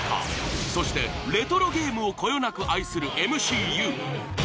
そしてレトロゲームをこよなく愛するＭＣＵ。